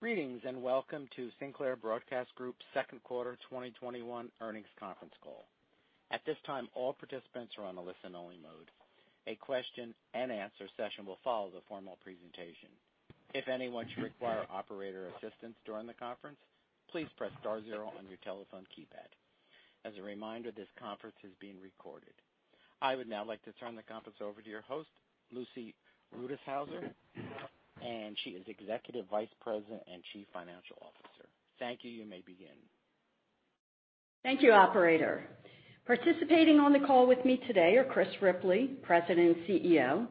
Greetings, and Welcome to Sinclair Broadcast Group's second quarter 2021 earnings conference call. At this time, all participants are on a listen-only mode. A question and answer session will follow the formal presentation. If anyone should require operator assistance during the conference, please press star 0 on your telephone keypad. As a reminder, this conference is being recorded. I would now like to turn the conference over to your host, Lucy Rutishauser, and she is Executive Vice President and Chief Financial Officer. Thank you. You may begin. Thank you, operator. Participating on the call with me today are Chris Ripley, President and CEO,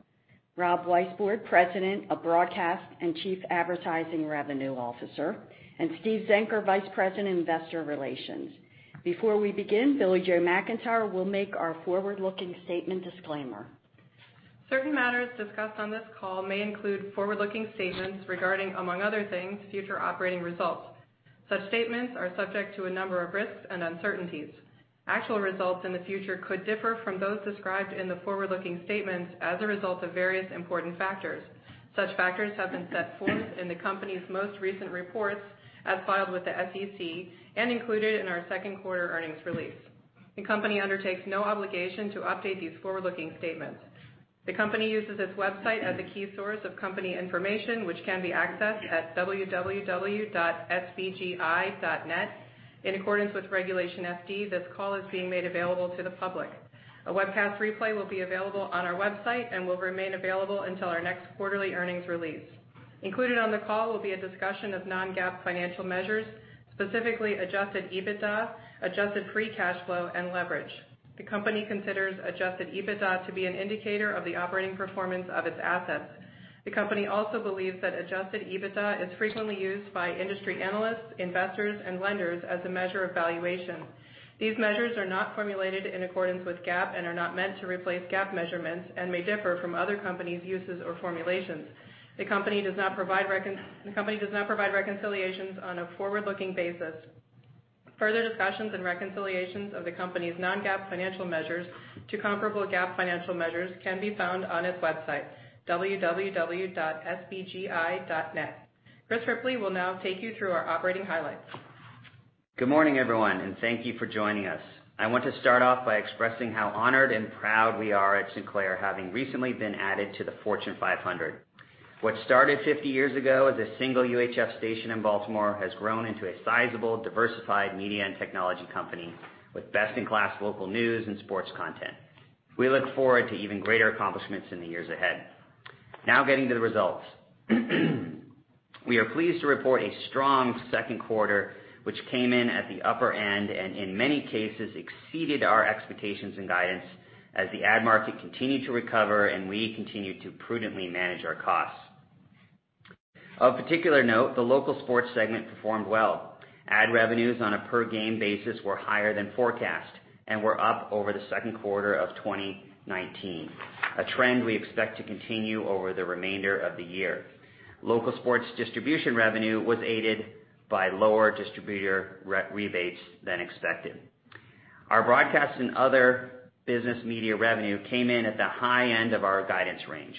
Rob Weisbord, President of Broadcast and Chief Advertising Revenue Officer, and Steve Zenker, Vice President of Investor Relations. Before we begin, Billie-Jo McIntire will make our forward-looking statement disclaimer. Certain matters discussed on this call may include forward-looking statements regarding, among other things, future operating results. Such statements are subject to a number of risks and uncertainties. Actual results in the future could differ from those described in the forward-looking statements as a result of various important factors. Such factors have been set forth in the company's most recent reports as filed with the SEC and included in our second quarter earnings release. The company undertakes no obligation to update these forward-looking statements. The company uses its website as a key source of company information, which can be accessed at www.sbgi.net. In accordance with Regulation FD, this call is being made available to the public. A webcast replay will be available on our website and will remain available until our next quarterly earnings release. Included on the call will be a discussion of non-GAAP financial measures, specifically adjusted EBITDA, adjusted free cash flow, and leverage. The company considers adjusted EBITDA to be an indicator of the operating performance of its assets. The company also believes that adjusted EBITDA is frequently used by industry analysts, investors, and lenders as a measure of valuation. These measures are not formulated in accordance with GAAP and are not meant to replace GAAP measurements and may differ from other companies' uses or formulations. The company does not provide reconciliations on a forward-looking basis. Further discussions and reconciliations of the company's non-GAAP financial measures to comparable GAAP financial measures can be found on its website, www.sbgi.net. Chris Ripley will now take you through our operating highlights. Good morning, everyone, and thank you for joining us. I want to start off by expressing how honored and proud we are at Sinclair having recently been added to the Fortune 500. What started 50 years ago as a single UHF station in Baltimore has grown into a sizable, diversified media and technology company with best-in-class local news and sports content. We look forward to even greater accomplishments in the years ahead. Now getting to the results. We are pleased to report a strong second quarter, which came in at the upper end, and in many cases, exceeded our expectations and guidance as the ad market continued to recover and we continued to prudently manage our costs. Of particular note, the local sports segment performed well. Ad revenues on a per-game basis were higher than forecast and were up over the second quarter of 2019, a trend we expect to continue over the remainder of the year. Local sports distribution revenue was aided by lower distributor rebates than expected. Our broadcast and other business media revenue came in at the high end of our guidance range.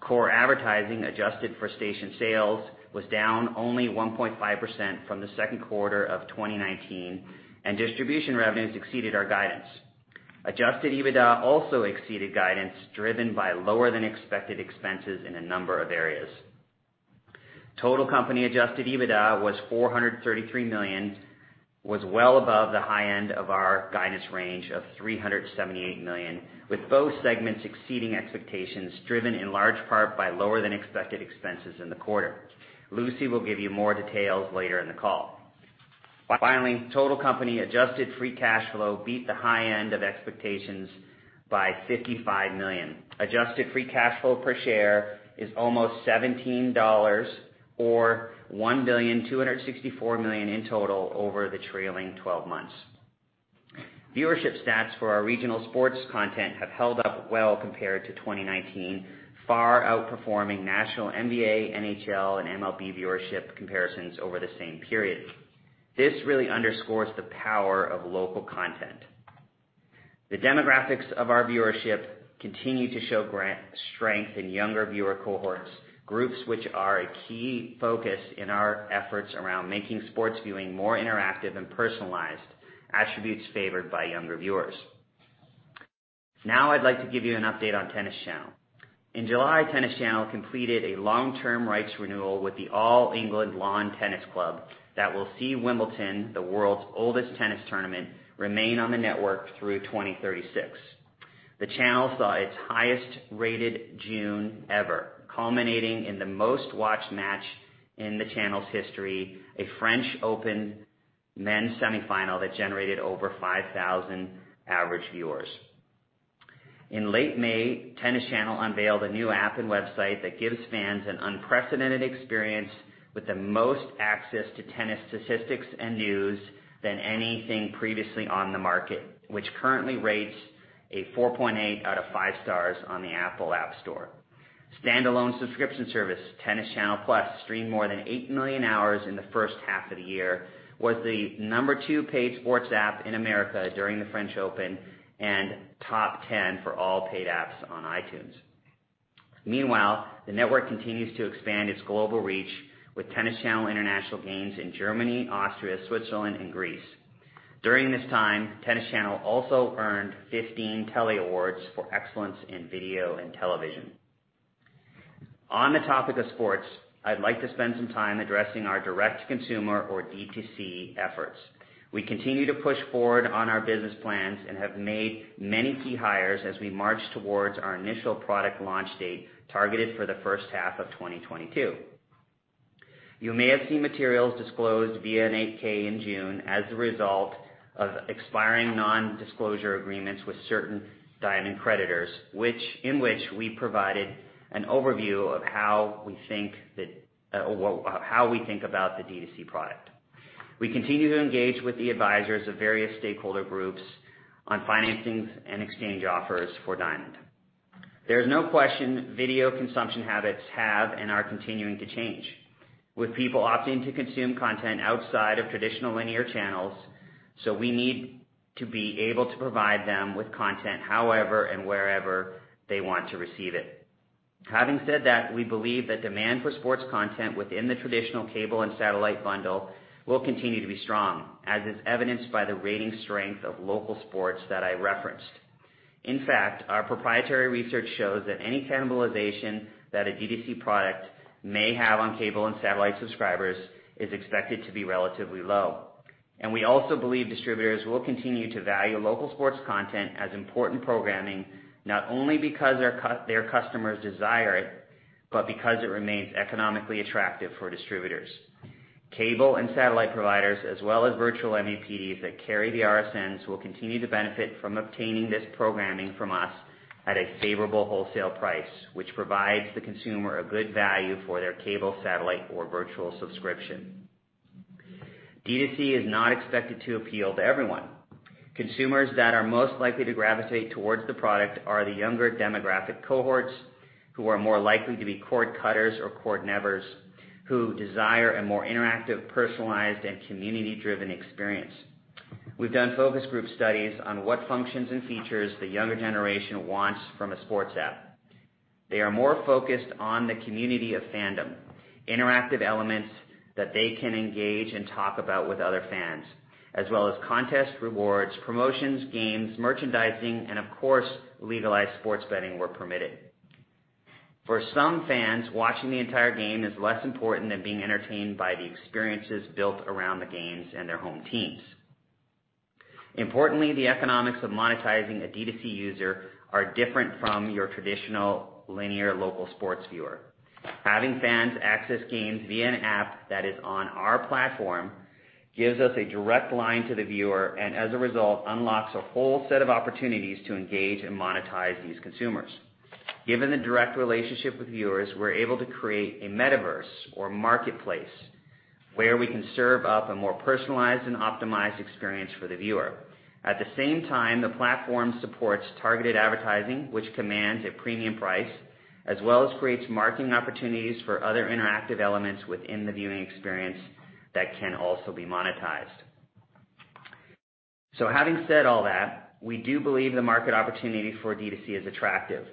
Core advertising, adjusted for station sales, was down only 1.5% from the second quarter of 2019, and distribution revenues exceeded our guidance. Adjusted EBITDA also exceeded guidance, driven by lower-than-expected expenses in a number of areas. Total company adjusted EBITDA was $433 million, well above the high end of our guidance range of $378 million, with both segments exceeding expectations, driven in large part by lower-than-expected expenses in the quarter. Lucy will give you more details later in the call. Finally, total company adjusted free cash flow beat the high end of expectations by $55 million. Adjusted free cash flow per share is almost $17, or $1.264 billion in total over the trailing 12 months. Viewership stats for our regional sports content have held up well compared to 2019, far outperforming national NBA, NHL, and MLB viewership comparisons over the same period. This really underscores the power of local content. The demographics of our viewership continue to show strength in younger viewer cohorts, groups which are a key focus in our efforts around making sports viewing more interactive and personalized, attributes favored by younger viewers. Now I'd like to give you an update on Tennis Channel. In July, Tennis Channel completed a long-term rights renewal with the All England Lawn Tennis Club that will see Wimbledon, the world's oldest tennis tournament, remain on the network through 2036. The channel saw its highest-rated June ever, culminating in the most-watched match in the channel's history, a French Open men's semifinal that generated over 5,000 average viewers. In late May, Tennis Channel unveiled a new app and website that gives fans an unprecedented experience with the most access to tennis statistics and news than anything previously on the market, which currently rates a 4.8 out of five stars on the App Store. Standalone subscription service, Tennis Channel Plus, streamed more than 8 million hours in the first half of the year, was the number two paid sports app in America during the French Open, and top 10 for all paid apps on iTunes. The network continues to expand its global reach with Tennis Channel international games in Germany, Austria, Switzerland, and Greece. During this time, Tennis Channel also earned 15 Telly Awards for excellence in video and television. On the topic of sports, I'd like to spend some time addressing our direct-to-consumer, or D2C, efforts. We continue to push forward on our business plans and have made many key hires as we march towards our initial product launch date, targeted for the first half of 2022. You may have seen materials disclosed via an 8-K in June as a result of expiring non-disclosure agreements with certain Diamond creditors, in which we provided an overview of how we think about the D2C product. We continue to engage with the advisors of various stakeholder groups on financings and exchange offers for Diamond. There is no question video consumption habits have and are continuing to change, with people opting to consume content outside of traditional linear channels. We need to be able to provide them with content however and wherever they want to receive it. Having said that, we believe that demand for sports content within the traditional cable and satellite bundle will continue to be strong, as is evidenced by the rating strength of local sports that I referenced. In fact, our proprietary research shows that any cannibalization that a D2C product may have on cable and satellite subscribers is expected to be relatively low. We also believe distributors will continue to value local sports content as important programming, not only because their customers desire it, but because it remains economically attractive for distributors. Cable and satellite providers, as well as virtual MVPDs that carry the RSNs will continue to benefit from obtaining this programming from us at a favorable wholesale price, which provides the consumer a good value for their cable, satellite, or virtual subscription. D2C is not expected to appeal to everyone. Consumers that are most likely to gravitate towards the product are the younger demographic cohorts, who are more likely to be cord cutters or cord nevers, who desire a more interactive, personalized, and community-driven experience. We've done focus group studies on what functions and features the younger generation wants from a sports app. They are more focused on the community of fandom, interactive elements that they can engage and talk about with other fans, as well as contest rewards, promotions, games, merchandising, and of course, legalized sports betting where permitted. For some fans, watching the entire game is less important than being entertained by the experiences built around the games and their home teams. Importantly, the economics of monetizing a D2C user are different from your traditional linear local sports viewer. Having fans access games via an app that is on our platform gives us a direct line to the viewer, and as a result, unlocks a whole set of opportunities to engage and monetize these consumers. Given the direct relationship with viewers, we're able to create a metaverse or marketplace where we can serve up a more personalized and optimized experience for the viewer. At the same time, the platform supports targeted advertising, which commands a premium price, as well as creates marketing opportunities for other interactive elements within the viewing experience that can also be monetized. Having said all that, we do believe the market opportunity for D2C is attractive.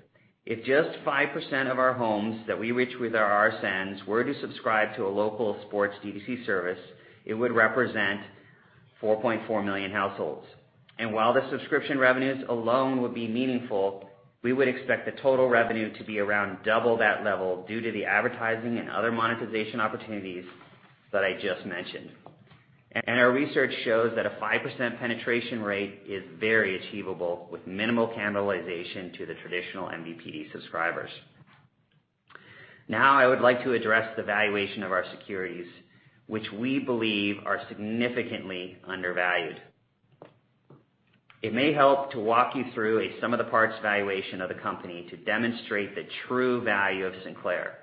If just 5% of our homes that we reach with our RSNs were to subscribe to a local sports D2C service, it would represent 4.4 million households. While the subscription revenues alone would be meaningful, we would expect the total revenue to be around double that level due to the advertising and other monetization opportunities that I just mentioned. Our research shows that a 5% penetration rate is very achievable with minimal cannibalization to the traditional MVPD subscribers. I would like to address the valuation of our securities, which we believe are significantly undervalued. It may help to walk you through a sum of the parts valuation of the company to demonstrate the true value of Sinclair.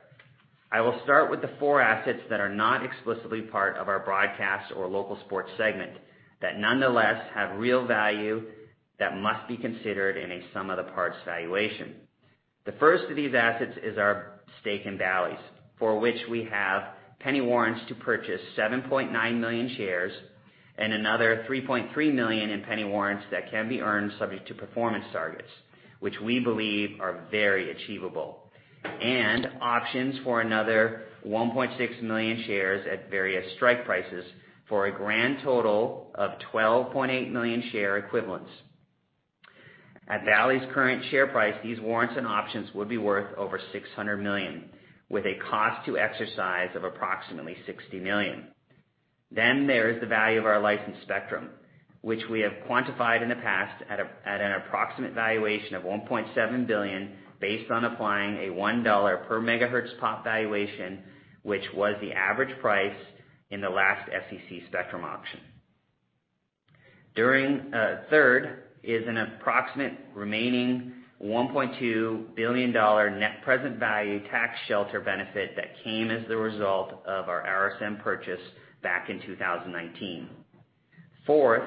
I will start with the four assets that are not explicitly part of our broadcast or local sports segment, that nonetheless have real value that must be considered in a sum of the parts valuation. The first of these assets is our stake in Bally's, for which we have penny warrants to purchase 7.9 million shares and another 3.3 million in penny warrants that can be earned subject to performance targets, which we believe are very achievable, and options for another 1.6 million shares at various strike prices for a grand total of 12.8 million share equivalents. At Bally's' current share price, these warrants and options would be worth over $600 million, with a cost to exercise of approximately $60 million. There is the value of our licensed spectrum, which we have quantified in the past at an approximate valuation of $1.7 billion based on applying a $1 per megahertz POP valuation, which was the average price in the last FCC spectrum auction. Third is an approximate remaining $1.2 billion net present value tax shelter benefit that came as the result of our RSN purchase back in 2019. Fourth,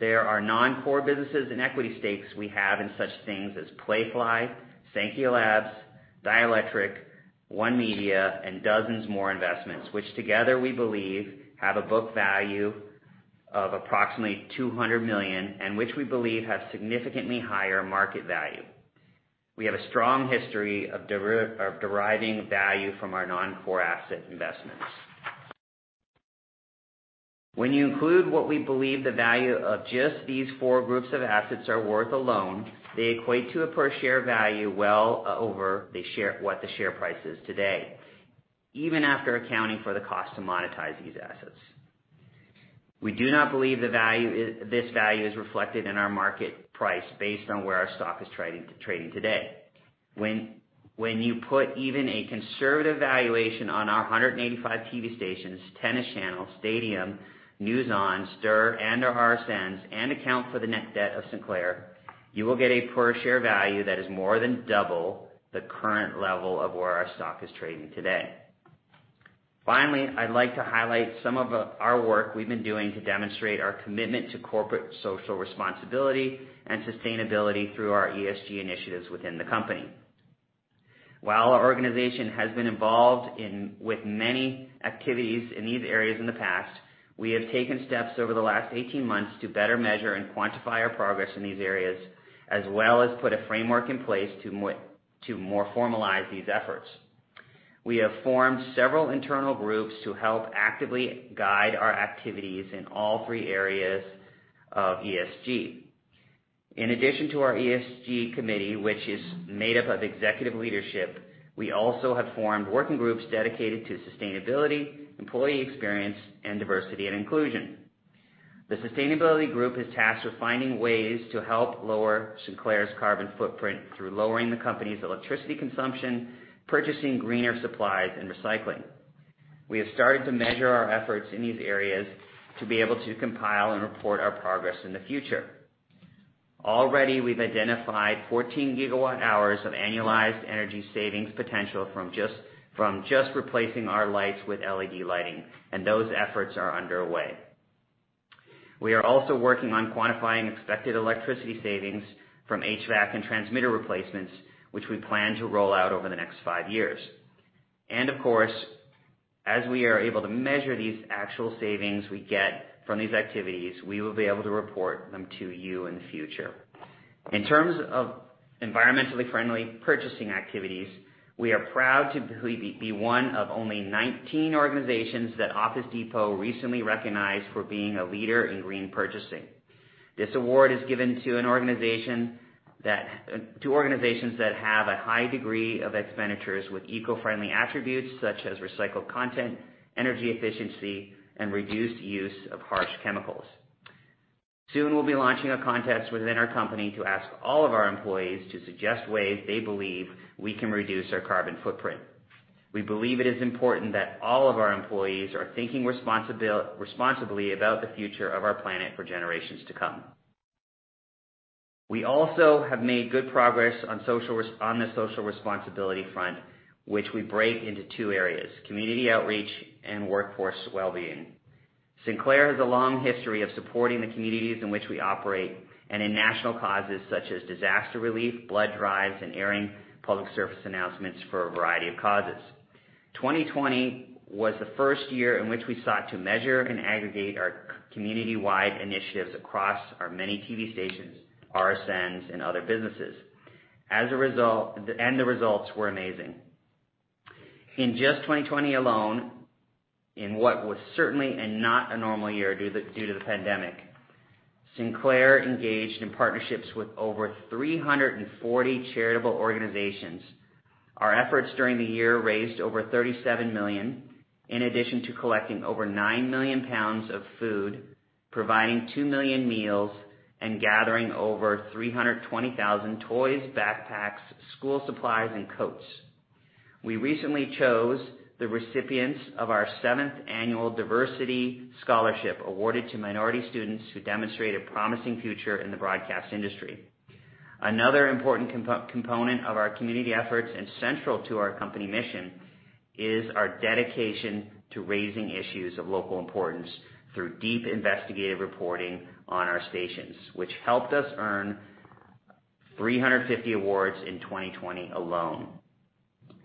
there are non-core businesses and equity stakes we have in such things as Playfly, Saankhya Labs, Dielectric, ONE Media, and dozens more investments, which together we believe have a book value of approximately $200 million, and which we believe have significantly higher market value. We have a strong history of deriving value from our non-core asset investments. When you include what we believe the value of just these four groups of assets are worth alone, they equate to a per share value well over what the share price is today, even after accounting for the cost to monetize these assets. We do not believe this value is reflected in our market price based on where our stock is trading today. When you put even a conservative valuation on our 185 TV stations, Tennis Channel, Stadium, NewsON, STIRR and/or RSNs, and account for the net debt of Sinclair, you will get a per share value that is more than double the current level of where our stock is trading today. Finally, I'd like to highlight some of our work we've been doing to demonstrate our commitment to corporate social responsibility and sustainability through our ESG initiatives within the company. While our organization has been involved with many activities in these areas in the past, we have taken steps over the last 18 months to better measure and quantify our progress in these areas, as well as put a framework in place to more formalize these efforts. We have formed several internal groups to help actively guide our activities in all three areas of ESG. In addition to our ESG committee, which is made up of executive leadership, we also have formed working groups dedicated to sustainability, employee experience, and diversity and inclusion. The sustainability group is tasked with finding ways to help lower Sinclair's carbon footprint through lowering the company's electricity consumption, purchasing greener supplies, and recycling. We have started to measure our efforts in these areas to be able to compile and report our progress in the future. Already, we've identified 14 GW hours of annualized energy savings potential from just replacing our lights with LED lighting, and those efforts are underway. We are also working on quantifying expected electricity savings from HVAC and transmitter replacements, which we plan to roll out over the next five years. Of course, as we are able to measure these actual savings we get from these activities, we will be able to report them to you in the future. In terms of environmentally friendly purchasing activities, we are proud to be one of only 19 organizations that Office Depot recently recognized for being a leader in green purchasing. This award is given to organizations that have a high degree of expenditures with eco-friendly attributes such as recycled content, energy efficiency, and reduced use of harsh chemicals. Soon, we'll be launching a contest within our company to ask all of our employees to suggest ways they believe we can reduce our carbon footprint. We believe it is important that all of our employees are thinking responsibly about the future of our planet for generations to come. We also have made good progress on the social responsibility front, which we break into two areas, community outreach and workforce wellbeing. Sinclair has a long history of supporting the communities in which we operate and in national causes such as disaster relief, blood drives, and airing public service announcements for a variety of causes. 2020 was the first year in which we sought to measure and aggregate our community-wide initiatives across our many TV stations, RSNs and other businesses. The results were amazing. In just 2020 alone, in what was certainly not a normal year due to the pandemic, Sinclair engaged in partnerships with over 340 charitable organizations. Our efforts during the year raised over $37 million, in addition to collecting over 9 million pounds of food, providing 2 million meals, and gathering over 320,000 toys, backpacks, school supplies, and coats. We recently chose the recipients of our seventh annual diversity scholarship awarded to minority students who demonstrate a promising future in the broadcast industry. Another important component of our community efforts and central to our company mission is our dedication to raising issues of local importance through deep investigative reporting on our stations, which helped us earn 350 awards in 2020 alone.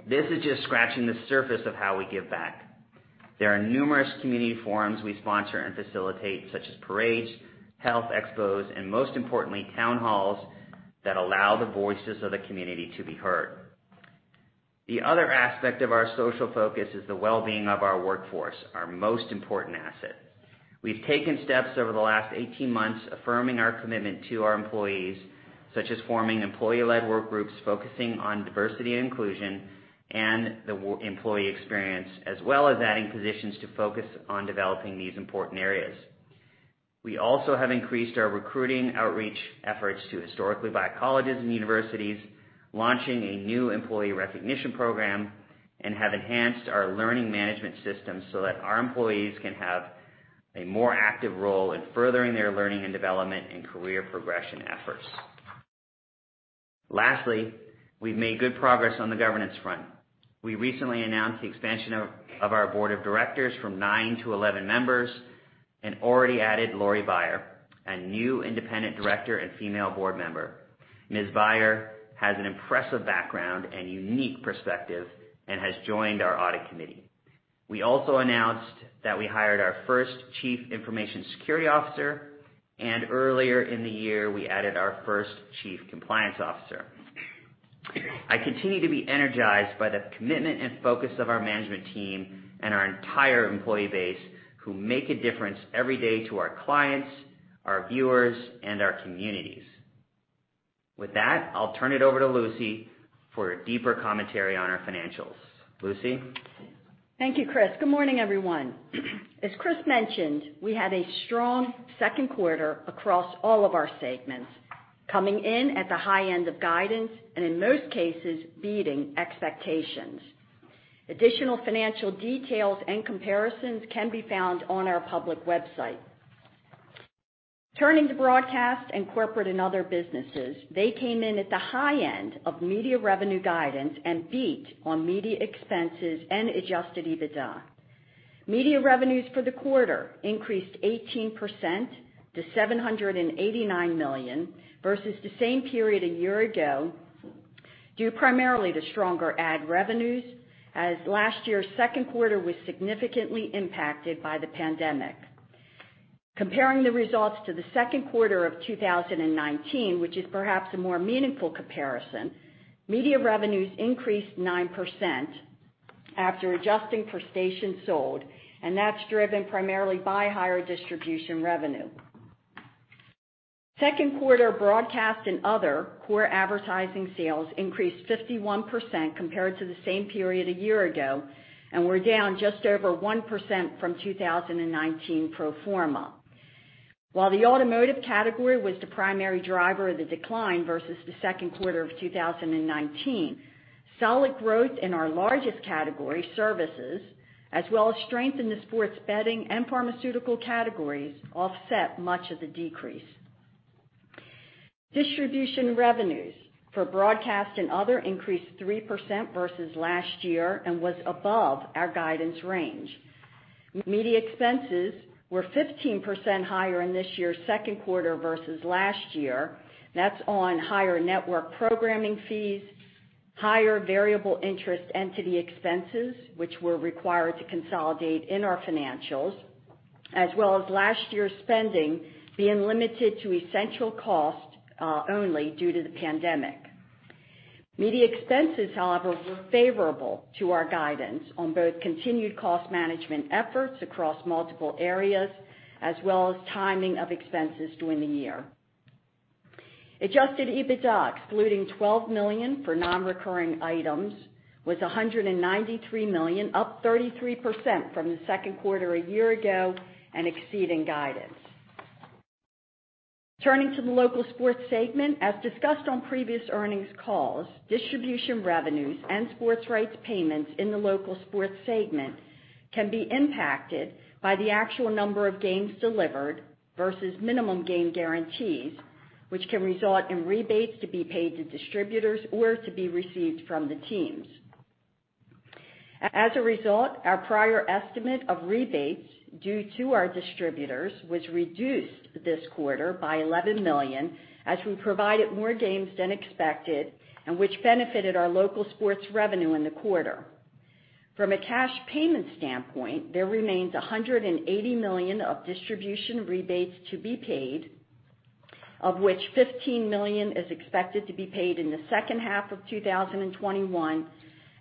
This is just scratching the surface of how we give back. There are numerous community forums we sponsor and facilitate, such as parades, health expos, and most importantly, town halls that allow the voices of the community to be heard. The other aspect of our social focus is the wellbeing of our workforce, our most important asset. We've taken steps over the last 18 months affirming our commitment to our employees, such as forming employee-led work groups focusing on diversity and inclusion and the employee experience, as well as adding positions to focus on developing these important areas. We also have increased our recruiting outreach efforts to historically Black colleges and universities, launching a new employee recognition program, and have enhanced our learning management system so that our employees can have a more active role in furthering their learning and development and career progression efforts. Lastly, we've made good progress on the governance front. We recently announced the expansion of our board of directors from 9-11 members and already added Laurie R. Beyer, a new independent director and female board member. Ms. Beyer has an impressive background and unique perspective and has joined our audit committee. We also announced that we hired our first Chief Information Security Officer, and earlier in the year, we added our first chief compliance officer. I continue to be energized by the commitment and focus of our management team and our entire employee base, who make a difference every day to our clients, our viewers, and our communities. With that, I'll turn it over to Lucy for a deeper commentary on our financials. Lucy? Thank you, Chris. Good morning, everyone. As Chris mentioned, we had a strong second quarter across all of our segments, coming in at the high end of guidance and in most cases, beating expectations. Additional financial details and comparisons can be found on our public website. Turning to broadcast and corporate and other businesses, they came in at the high end of media revenue guidance and beat on media expenses and adjusted EBITDA. Media revenues for the quarter increased 18% to $789 million versus the same period a year ago, due primarily to stronger ad revenues as last year's second quarter was significantly impacted by the pandemic. Comparing the results to the second quarter of 2019, which is perhaps a more meaningful comparison, media revenues increased 9% after adjusting for stations sold. That's driven primarily by higher distribution revenue. Second quarter broadcast and other core advertising sales increased 51% compared to the same period a year ago and were down just over 1% from 2019 pro forma. While the automotive category was the primary driver of the decline versus the second quarter of 2019, solid growth in our largest category, services, as well as strength in the sports betting and pharmaceutical categories, offset much of the decrease. Distribution revenues for broadcast and other increased 3% versus last year and was above our guidance range. Media expenses were 15% higher in this year's second quarter versus last year. That's on higher network programming fees, higher variable interest entity expenses, which we're required to consolidate in our financials, as well as last year's spending being limited to essential cost only due to the pandemic. Media expenses, however, were favorable to our guidance on both continued cost management efforts across multiple areas, as well as timing of expenses during the year. Adjusted EBITDA, excluding $12 million for non-recurring items, was $193 million, up 33% from the second quarter a year ago and exceeding guidance. Turning to the local sports segment. As discussed on previous earnings calls, distribution revenues and sports rights payments in the local sports segment can be impacted by the actual number of games delivered versus minimum game guarantees, which can result in rebates to be paid to distributors or to be received from the teams. As a result, our prior estimate of rebates due to our distributors was reduced this quarter by $11 million, as we provided more games than expected and which benefited our local sports revenue in the quarter. From a cash payment standpoint, there remains $180 million of distribution rebates to be paid, of which $15 million is expected to be paid in the second half of 2021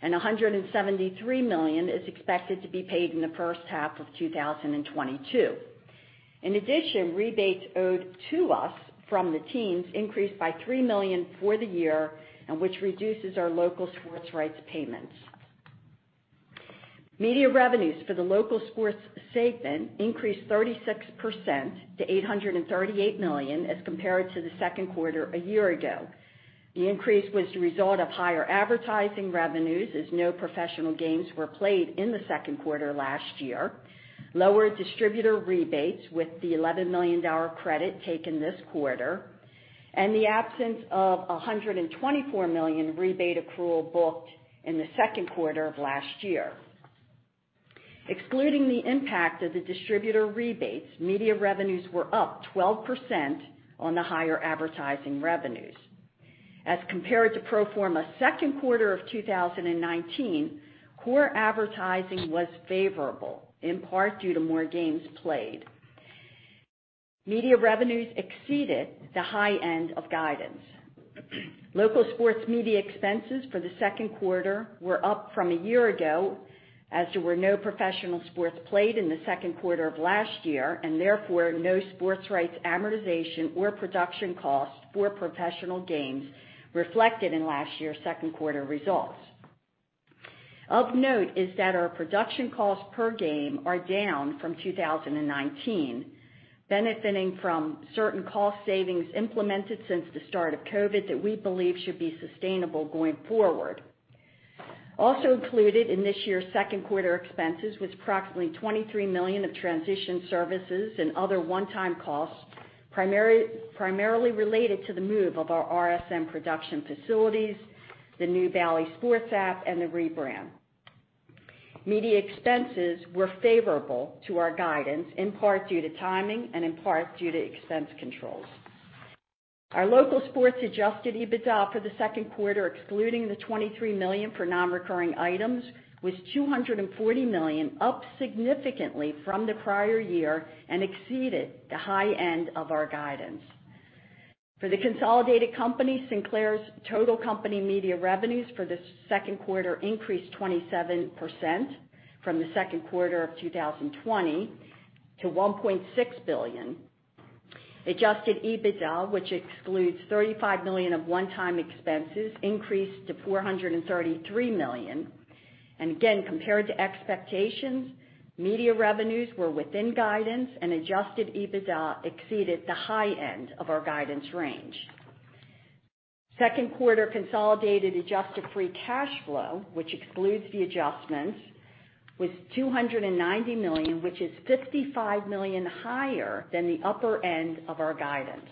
and $173 million is expected to be paid in the first half of 2022. In addition, rebates owed to us from the teams increased by $3 million for the year, which reduces our local sports rights payments. Media revenues for the local sports segment increased 36% to $838 million as compared to the second quarter a year ago. The increase was the result of higher advertising revenues as no professional games were played in the second quarter last year, lower distributor rebates with the $11 million credit taken this quarter, and the absence of $124 million rebate accrual booked in the second quarter of last year. Excluding the impact of the distributor rebates, media revenues were up 12% on the higher advertising revenues. As compared to pro forma second quarter of 2019, core advertising was favorable, in part due to more games played. Media revenues exceeded the high end of guidance. Local sports media expenses for the second quarter were up from a year ago, as there were no professional sports played in the second quarter of last year, and therefore, no sports rights amortization or production costs for professional games reflected in last year's second quarter results. Of note is that our production costs per game are down from 2019, benefiting from certain cost savings implemented since the start of COVID that we believe should be sustainable going forward. Also included in this year's second quarter expenses was approximately $23 million of transition services and other one-time costs primarily related to the move of our RSN production facilities, the new Bally Sports app, and the rebrand. Media expenses were favorable to our guidance, in part due to timing and in part due to expense controls. Our local sports adjusted EBITDA for the second quarter, excluding the $23 million for non-recurring items, was $240 million, up significantly from the prior year and exceeded the high end of our guidance. For the consolidated company, Sinclair's total company media revenues for the second quarter increased 27% from the second quarter of 2020 to $1.6 billion. Adjusted EBITDA, which excludes $35 million of one-time expenses, increased to $433 million. Again, compared to expectations, media revenues were within guidance and adjusted EBITDA exceeded the high end of our guidance range. Second quarter consolidated adjusted free cash flow, which excludes the adjustments, was $290 million, which is $55 million higher than the upper end of our guidance.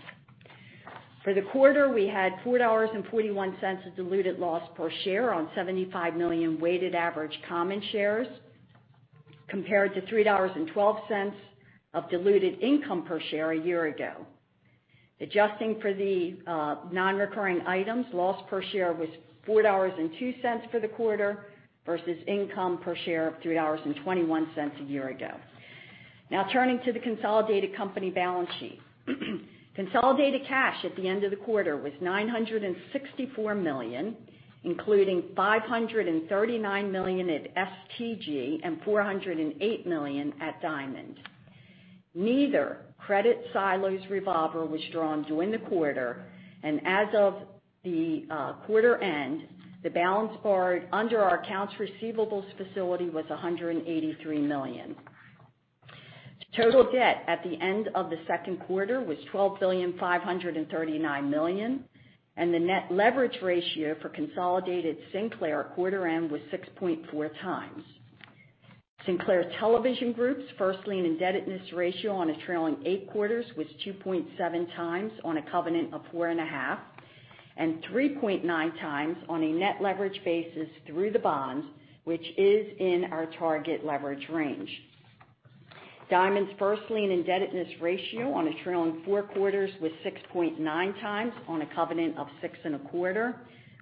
For the quarter, we had $4.41 of diluted loss per share on 75 million weighted average common shares, compared to $3.12 of diluted income per share a year ago. Adjusting for the non-recurring items, loss per share was $4.02 for the quarter versus income per share of $3.21 a year ago. Turning to the consolidated company balance sheet. Consolidated cash at the end of the quarter was $964 million, including $539 million at STG and $408 million at Diamond. Neither credit silos revolver was drawn during the quarter, and as of the quarter end, the balance borrowed under our accounts receivables facility was $183 million. Total debt at the end of the second quarter was $12,539 billion, and the net leverage ratio for consolidated Sinclair quarter end was 6.4x. Sinclair Television Group's first lien indebtedness ratio on a trailing eight quarters was 2.7x on a covenant of 4.5%, and 3.9x on a net leverage basis through the bond, which is in our target leverage range. Diamond's first lien indebtedness ratio on a trailing four quarters was 6.9x on a covenant of 6.25%,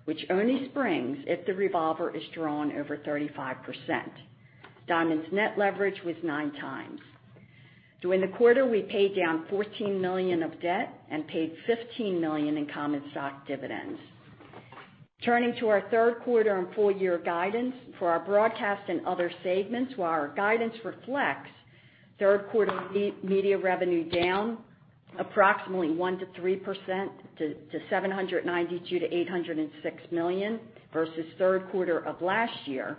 which only springs if the revolver is drawn over 35%. Diamond's net leverage was 9x. During the quarter, we paid down $14 million of debt and paid $15 million in common stock dividends. Turning to our third quarter and full year guidance for our broadcast and other segments, while our guidance reflects third quarter media revenue down approximately 1%-3% to $792 million-$806 million versus third quarter of last year.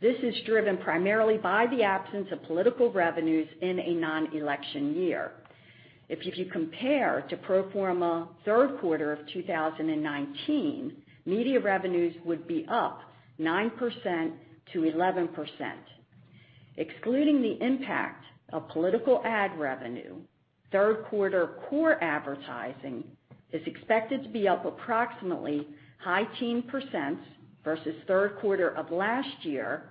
This is driven primarily by the absence of political revenues in a nonelection year. If you compare to pro forma third quarter of 2019, media revenues would be up 9%-11%. Excluding the impact of political ad revenue, third quarter core advertising is expected to be up approximately high teen percent versus third quarter of last year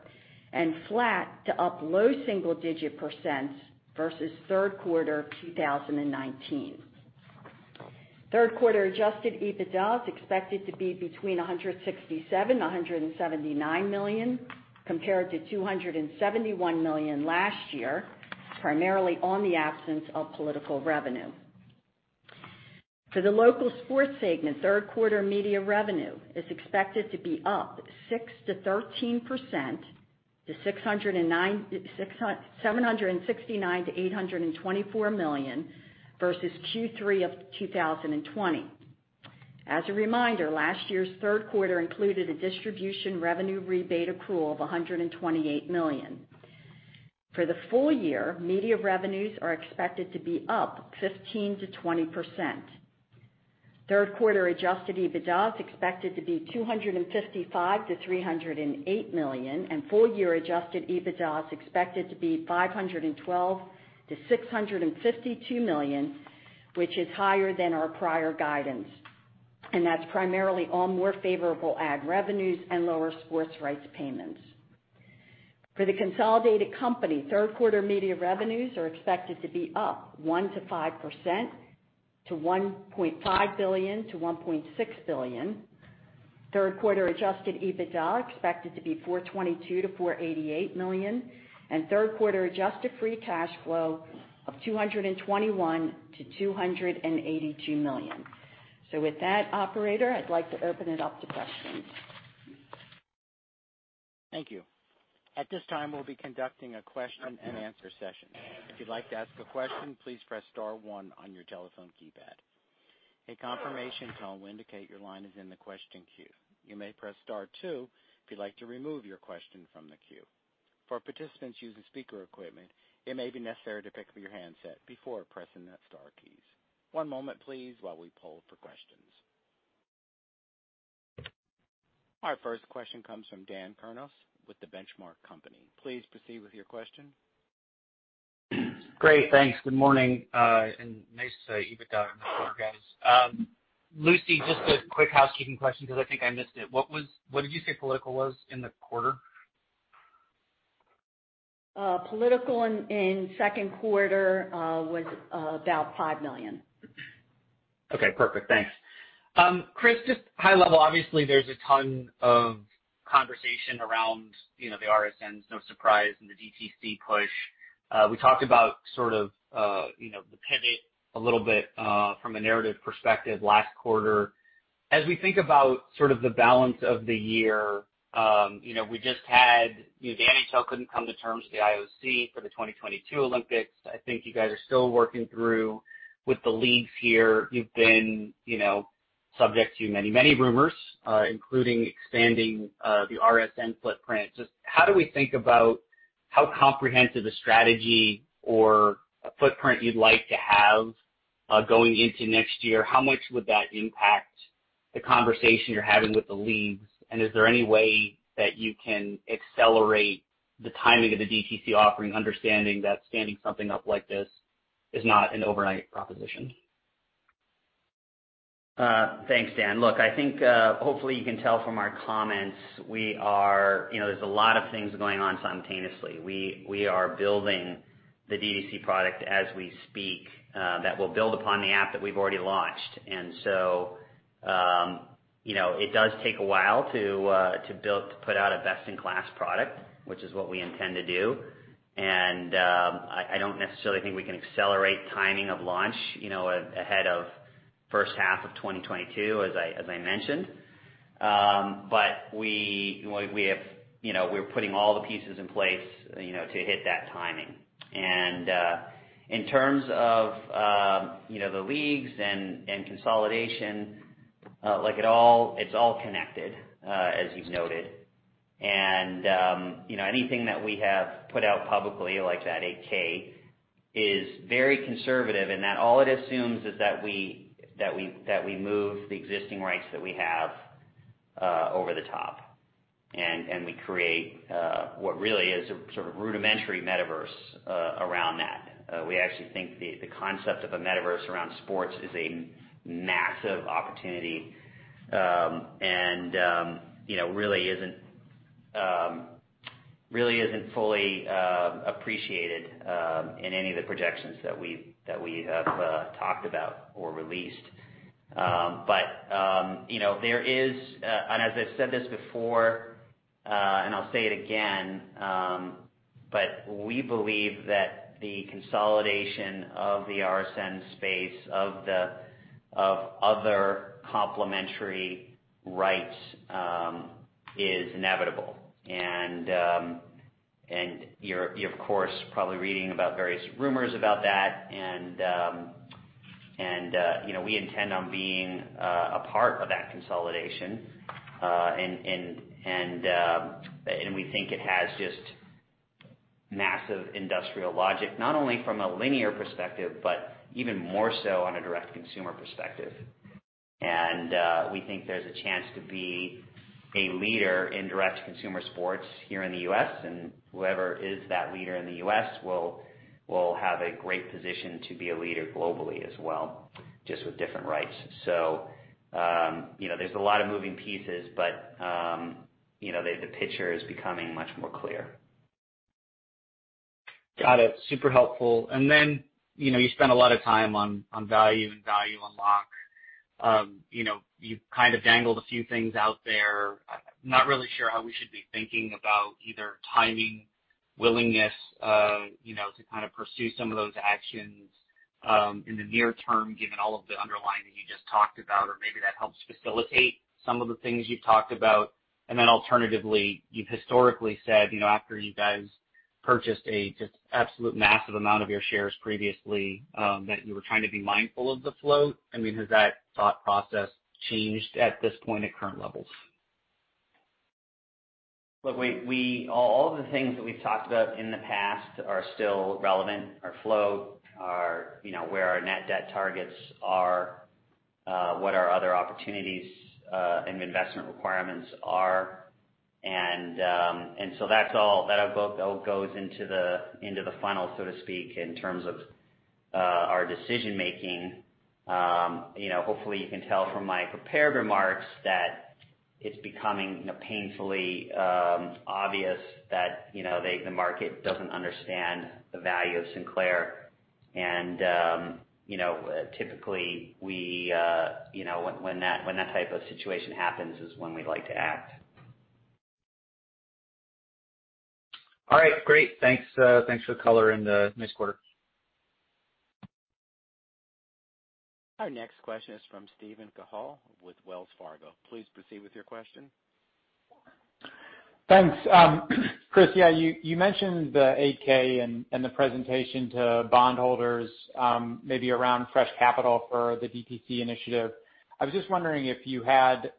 and flat to up low single digit percent versus third quarter of 2019. Third quarter adjusted EBITDA is expected to be between $167 million and $179 million, compared to $271 million last year, primarily on the absence of political revenue. For the local sports segment, third quarter media revenue is expected to be up 6%-13%, to $769 million-$824 million, versus Q3 2020. As a reminder, last year's third quarter included a distribution revenue rebate accrual of $128 million. For the full year, media revenues are expected to be up 15%-20%. Third quarter adjusted EBITDA is expected to be $255 million-$308 million, and full year adjusted EBITDA is expected to be $512 million-$652 million, which is higher than our prior guidance. That's primarily on more favorable ad revenues and lower sports rights payments. For the consolidated company, third quarter media revenues are expected to be up 1%-5%, to $1.5 billion-$1.6 billion. Third quarter adjusted EBITDA expected to be $422 million-$488 million and third quarter adjusted free cash flow of $221 million-$282 million. With that, operator, I'd like to open it up to questions. Thank you. Our first question comes from Dan Kurnos with The Benchmark Company. Please proceed with your question. Great. Thanks. Good morning. Nice EBITDA in the quarter, guys. Lucy, just a quick housekeeping question because I think I missed it. What did you say political was in the quarter? Political in second quarter was about $5 million. Okay, perfect. Thanks. Chris, just high level, obviously there's a ton of conversation around the RSNs, no surprise, and the DTC push. We talked about the pivot a little bit from a narrative perspective last quarter. As we think about the balance of the year, we just had NHL couldn't come to terms with the IOC for the 2022 Olympics. I think you guys are still working through with the leagues here. You've been subject to many rumors, including expanding the RSN footprint. How do we think about how comprehensive a strategy or a footprint you'd like to have going into next year? How much would that impact the conversation you're having with the leagues? Is there any way that you can accelerate the timing of the DTC offering, understanding that standing something up like this is not an overnight proposition? Thanks, Dan. Look, I think, hopefully you can tell from our comments, there's a lot of things going on simultaneously. We are building the D2C product as we speak that will build upon the app that we've already launched. It does take a while to build, to put out a best-in-class product, which is what we intend to do. I don't necessarily think we can accelerate timing of launch, ahead of first half of 2022, as I mentioned. We're putting all the pieces in place to hit that timing. In terms of the leagues and consolidation, it's all connected, as you've noted. Anything that we have put out publicly like that 8-K is very conservative, and that all it assumes is that we move the existing rights that we have over the top. We create what really is a sort of rudimentary metaverse around that. We actually think the concept of a metaverse around sports is a massive opportunity, and really isn't fully appreciated in any of the projections that we have talked about or released. There is, and as I've said this before, and I'll say it again, but we believe that the consolidation of the RSN space of other complementary rights is inevitable. You're of course probably reading about various rumors about that. We intend on being a part of that consolidation. We think it has just massive industrial logic, not only from a linear perspective, but even more so on a direct consumer perspective. We think there's a chance to be a leader in direct consumer sports here in the U.S., and whoever is that leader in the U.S. will have a great position to be a leader globally as well, just with different rights. There's a lot of moving pieces, but the picture is becoming much more clear. Got it. Super helpful. Then, you spent a lot of time on value and value unlock. You kind of dangled a few things out there. Not really sure how we should be thinking about either timing, willingness, to kind of pursue some of those actions, in the near term, given all of the underlying that you just talked about. Maybe that helps facilitate some of the things you've talked about. Alternatively, you've historically said, after you guys purchased a just absolute massive amount of your shares previously that you were trying to be mindful of the float. I mean, has that thought process changed at this point at current levels? Look, all of the things that we've talked about in the past are still relevant. Our float, where our net debt targets are, what our other opportunities, and investment requirements are. That all goes into the funnel, so to speak, in terms of our decision making. Hopefully you can tell from my prepared remarks that it's becoming painfully obvious that the market doesn't understand the value of Sinclair. Typically, when that type of situation happens is when we like to act. All right. Great. Thanks for the color in the mixed quarter. Our next question is from Steven Cahall with Wells Fargo. Please proceed with your question. Thanks. Chris, yeah, you mentioned the 8-K and the presentation to bond holders, maybe around fresh capital for the DTC initiative. I was just wondering if you had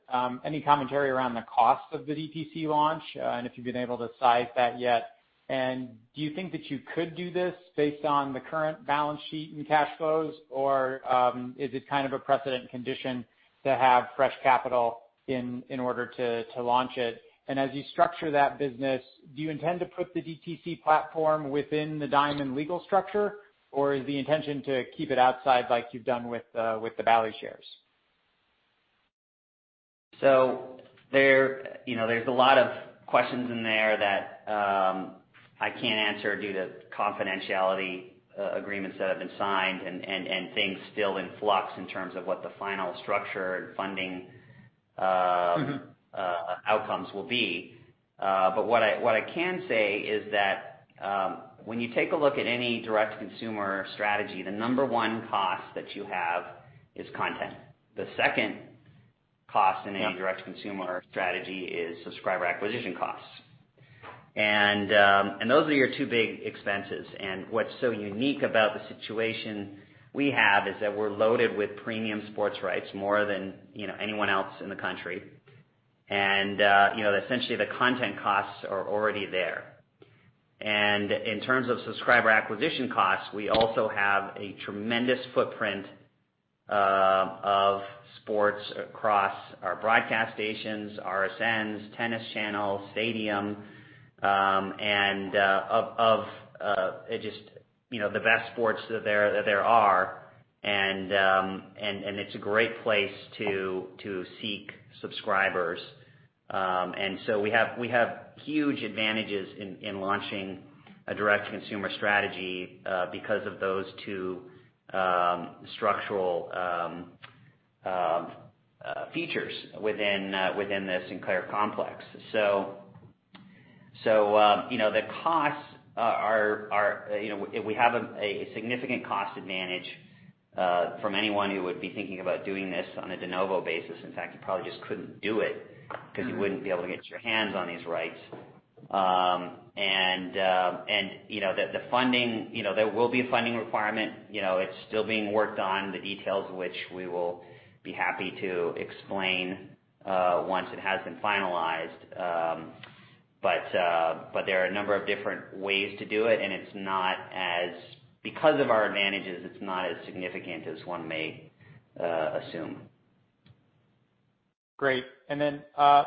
any commentary around the cost of the DTC launch, and if you've been able to size that yet. Do you think that you could do this based on the current balance sheet and cash flows? Is it kind of a precedent condition to have fresh capital in order to launch it? As you structure that business, do you intend to put the DTC platform within the Diamond legal structure? Is the intention to keep it outside like you've done with the Bally shares? There's a lot of questions in there that I can't answer due to confidentiality agreements that have been signed and things still in flux in terms of what the final structure and funding outcomes will be. What I can say is that when you take a look at any direct consumer strategy, the number one cost that you have is content. The second cost in a direct consumer strategy is subscriber acquisition costs. Those are your two big expenses. What's so unique about the situation we have is that we're loaded with premium sports rights more than anyone else in the country. Essentially, the content costs are already there. In terms of subscriber acquisition costs, we also have a tremendous footprint of sports across our broadcast stations, RSNs, Tennis Channel, Stadium, and of just the best sports that there are. It's a great place to seek subscribers. We have huge advantages in launching a direct consumer strategy because of those two structural features within the Sinclair complex. The costs are. We have a significant cost advantage from anyone who would be thinking about doing this on a de novo basis. In fact, you probably just couldn't do it because you wouldn't be able to get your hands on these rights. There will be a funding requirement. It's still being worked on, the details of which we will be happy to explain once it has been finalized. There are a number of different ways to do it, and because of our advantages, it's not as significant as one may assume. Great.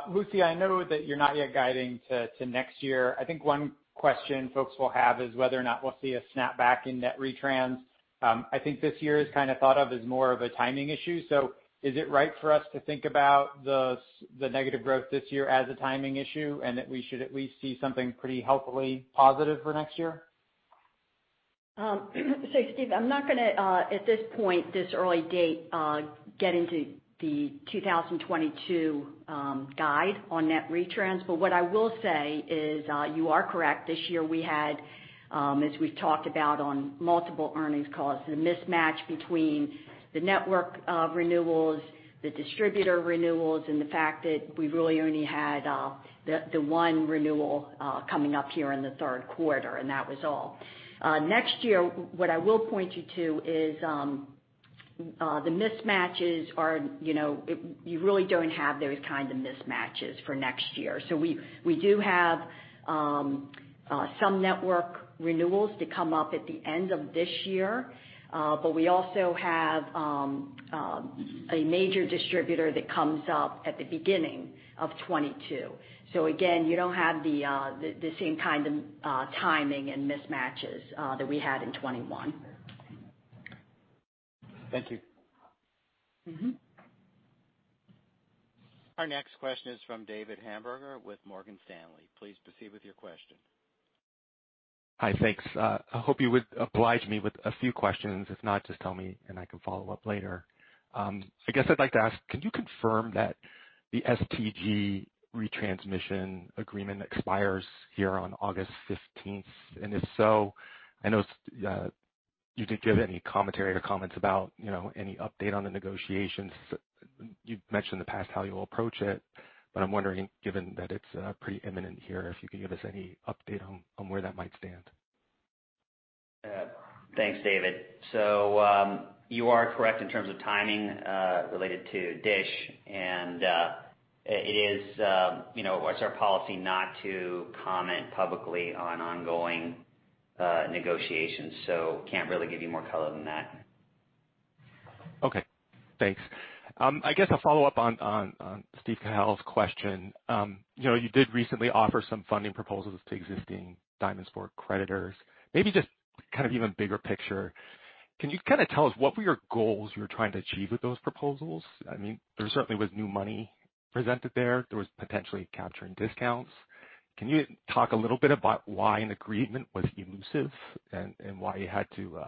Lucy, I know that you're not yet guiding to next year. I think one question folks will have is whether or not we'll see a snapback in net retrans. I think this year is kind of thought of as more of a timing issue. Is it right for us to think about the negative growth this year as a timing issue, and that we should at least see something pretty healthily positive for next year? Steven, I'm not going to at this point, this early date, get into the 2022 guide on net retrans. What I will say is you are correct. This year we had, as we've talked about on multiple earnings calls, the mismatch between the network of renewals, the distributor renewals, and the fact that we really only had the one renewal coming up here in the third quarter, and that was all. Next year, what I will point you to is the mismatches are. You really don't have those kind of mismatches for next year. We do have some network renewals that come up at the end of this year. We also have a major distributor that comes up at the beginning of 2022. Again, you don't have the same kind of timing and mismatches that we had in 2021. Thank you. Our next question is from David Hamburger with Morgan Stanley. Please proceed with your question. Hi, thanks. I hope you would oblige me with a few questions. If not, just tell me and I can follow up later. I guess I'd like to ask, can you confirm that the STG retransmission agreement expires here on August 15th? If so, I know you didn't give any commentary or comments about any update on the negotiations. You've mentioned in the past how you'll approach it? But I'm wondering, given that it's pretty imminent here, if you could give us any update on where that might stand. Thanks, David. You are correct in terms of timing related to DISH, and it is our policy not to comment publicly on ongoing negotiations. Can't really give you more color than that. Okay, thanks. I guess I'll follow up on Steve Cahall's question. You did recently offer some funding proposals to existing Diamond Sports creditors. Maybe just kind of even bigger picture, can you kind of tell us what were your goals you were trying to achieve with those proposals? There certainly was new money presented there. There was potentially capturing discounts. Can you talk a little bit about why an agreement was elusive and why you had to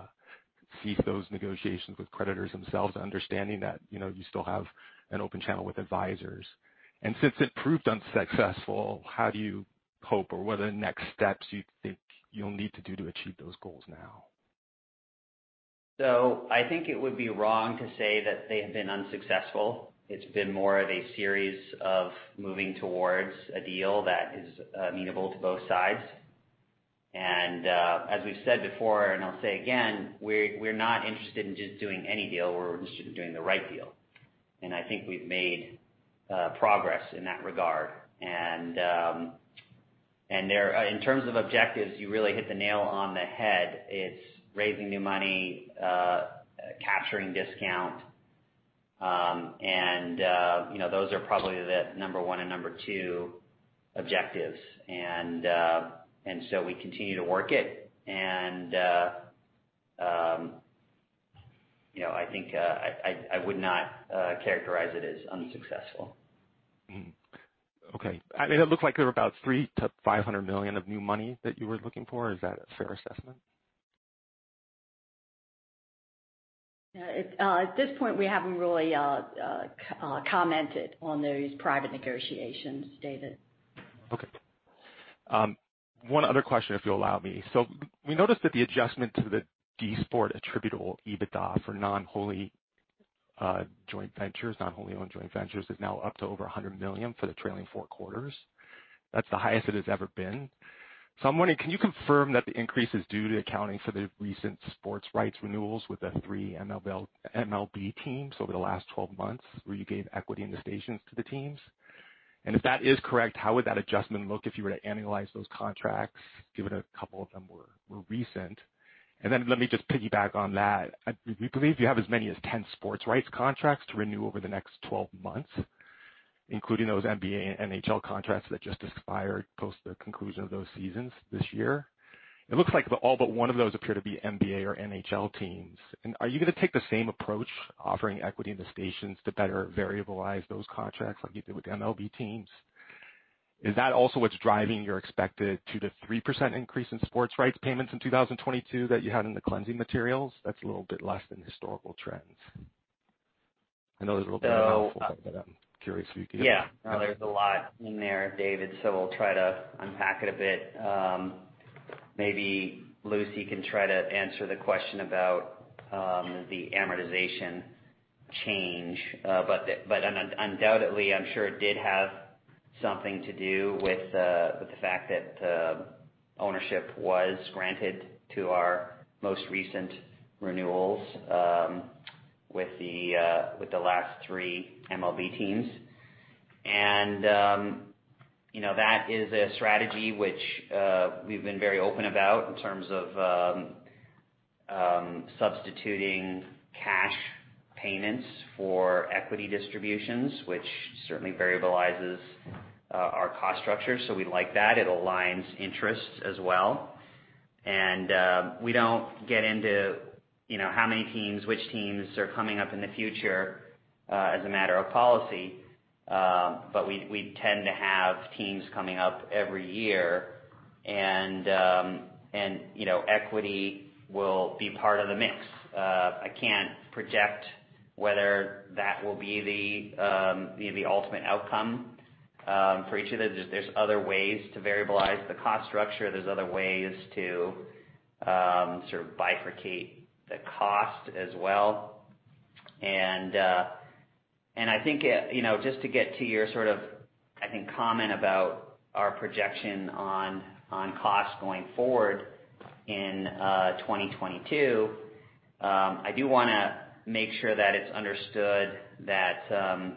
cease those negotiations with creditors themselves, understanding that you still have an open channel with advisors? Since it proved unsuccessful, how do you hope, or what are the next steps you think you'll need to do to achieve those goals now? I think it would be wrong to say that they have been unsuccessful. It's been more of a series of moving towards a deal that is amenable to both sides. As we've said before, and I'll say again, we're not interested in just doing any deal. We're interested in doing the right deal. I think we've made progress in that regard. In terms of objectives, you really hit the nail on the head. It's raising new money, capturing discount, and those are probably the number one and number two objectives. We continue to work it and I think I would not characterize it as unsuccessful. Okay. It looks like there were about $300 million-$500 million of new money that you were looking for. Is that a fair assessment? At this point, we haven't really commented on those private negotiations, David. Okay. One other question, if you'll allow me. We noticed that the adjustment to the Diamond Sports attributable EBITDA for non-wholly joint ventures, non-wholly owned joint ventures, is now up to over $100 million for the trailing four quarters. That's the highest it has ever been. I'm wondering, can you confirm that the increase is due to accounting for the recent sports rights renewals with the three MLB teams over the last 12 months, where you gave equity in the stations to the teams? If that is correct, how would that adjustment look if you were to annualize those contracts, given a couple of them were recent? Then let me just piggyback on that. We believe you have as many as 10 sports rights contracts to renew over the next 12 months, including those NBA and NHL contracts that just expired post the conclusion of those seasons this year. It looks like all but one of those appear to be NBA or NHL teams. Are you going to take the same approach, offering equity in the stations to better variabilize those contracts like you did with the MLB teams? Is that also what's driving your expected 2%-3% increase in sports rights payments in 2022 that you had in the cleansing materials? That's a little bit less than historical trends. So- I'm curious if you could. Yeah. No, there's a lot in there, David, so we'll try to unpack it a bit. Maybe Lucy can try to answer the question about the amortization change. Undoubtedly, I'm sure it did have something to do with the fact that ownership was granted to our most recent renewals with the last three MLB teams. That is a strategy which we've been very open about in terms of substituting cash payments for equity distributions, which certainly variabilizes our cost structure. We like that. It aligns interests as well. We don't get into how many teams, which teams are coming up in the future as a matter of policy, but we tend to have teams coming up every year and equity will be part of the mix. I can't project whether that will be the ultimate outcome for each of those. There's other ways to variabilize the cost structure. There's other ways to sort of bifurcate the cost as well. I think just to get to your comment about our projection on costs going forward in 2022, I do want to make sure that it's understood that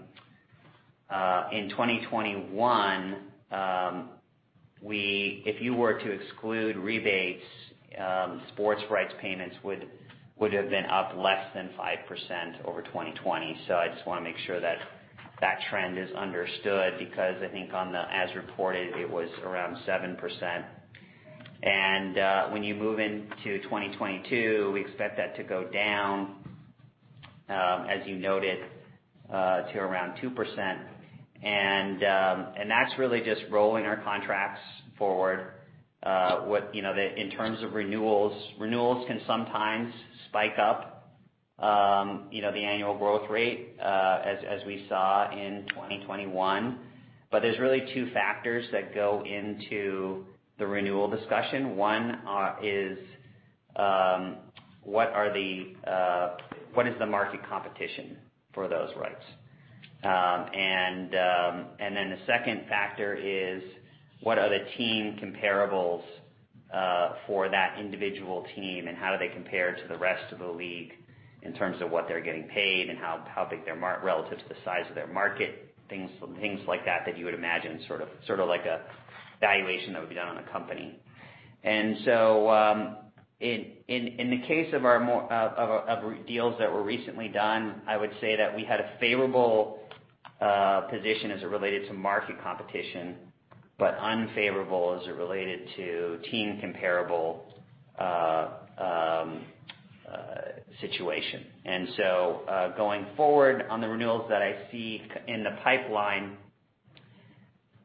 in 2021, if you were to exclude rebates, sports rights payments would have been up less than 5% over 2020. I just want to make sure that that trend is understood because I think on the as reported, it was around 7%. When you move into 2022, we expect that to go down, as you noted, to around 2%. That's really just rolling our contracts forward in terms of renewals. Renewals can sometimes spike up the annual growth rate, as we saw in 2021. There's really two factors that go into the renewal discussion. One is what is the market competition for those rights? The second factor is what are the team comparables for that individual team and how do they compare to the rest of the league in terms of what they're getting paid and how big they're relative to the size of their market, things like that that you would imagine sort of like a valuation that would be done on a company. In the case of deals that were recently done, I would say that we had a favorable position as it related to market competition, but unfavorable as it related to team comparable situation. Going forward on the renewals that I see in the pipeline,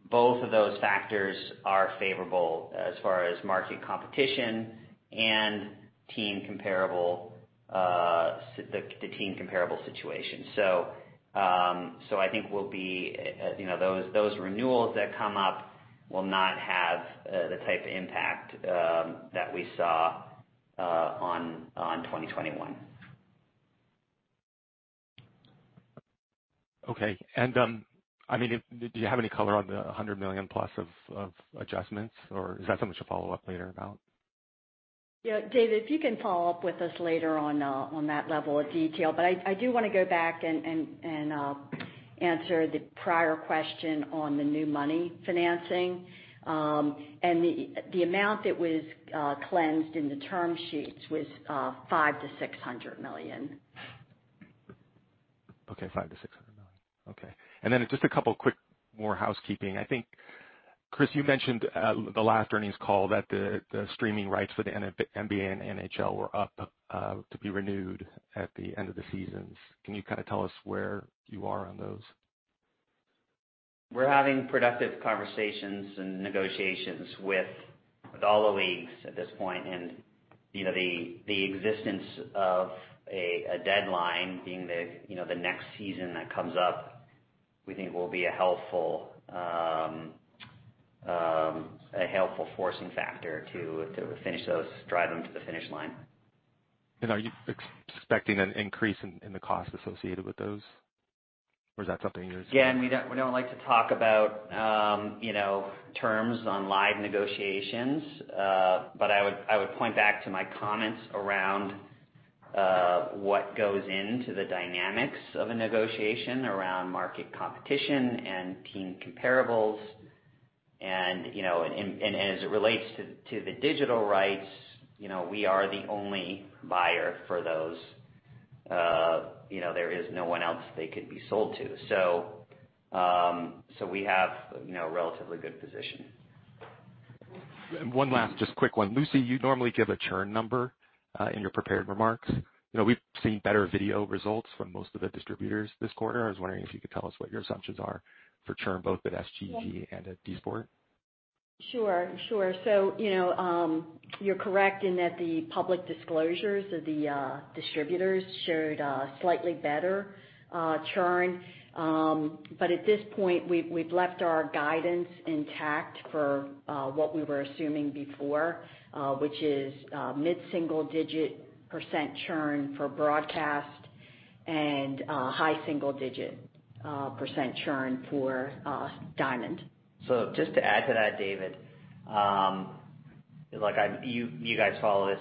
both of those factors are favorable as far as market competition and the team comparable situation. I think those renewals that come up will not have the type of impact that we saw on 2021. Okay. Do you have any color on the $100 million plus of adjustments or is that something you'll follow up later about? Yeah, David, if you can follow up with us later on that level of detail. I do want to go back and answer the prior question on the new money financing. The amount that was cleansed in the term sheets was $500 million-$600 million. Okay, $500 million-$600 million. Okay. Just a couple quick more housekeeping. I think, Chris, you mentioned the last earnings call that the streaming rights for the NBA and NHL were up to be renewed at the end of the seasons. Can you tell us where you are on those? We're having productive conversations and negotiations with all the leagues at this point. The existence of a deadline being the next season that comes up, we think will be a helpful forcing factor to finish those, drive them to the finish line. Are you expecting an increase in the cost associated with those? Again, we don't like to talk about terms on live negotiations. I would point back to my comments around what goes into the dynamics of a negotiation around market competition and team comparables. As it relates to the digital rights, we are the only buyer for those. There is no one else they could be sold to. We have a relatively good position. One last just quick one. Lucy, you normally give a churn number, in your prepared remarks. We've seen better video results from most of the distributors this quarter. I was wondering if you could tell us what your assumptions are for churn, both at STG and at Diamond Sports Group. Sure. You're correct in that the public disclosures of the distributors showed a slightly better churn. But at this point, we've left our guidance intact for what we were assuming before, which is mid-single digit percent churn for broadcast and high single digit percent churn for Diamond. Just to add to that, David. You guys follow this,